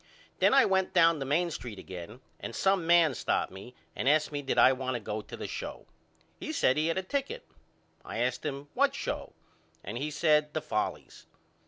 Then I went down the Main Street again and some man stopped me and asked me did I want to go to the show. He said he had a ticket. I asked him what show and he said the Follies.